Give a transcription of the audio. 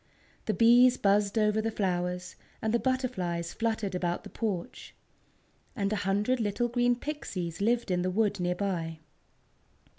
The bees buzzed over the flowers, and the butterflies fluttered about the porch. And a hundred little green Pixies lived in the wood near by.